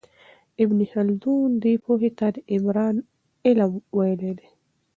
ابن خلدون دې پوهې ته د عمران علم ویلی دی.